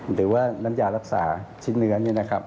หรือว่าน้ำยารักษาชิ้นเนื้อนี้